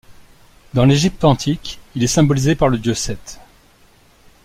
Dans l'Égypte antique, il est symbolisé par le dieu Seth.